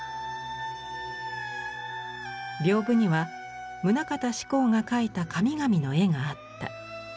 屏風には棟方志功が描いた神々の絵があった。